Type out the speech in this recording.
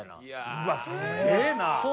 うわすげえな。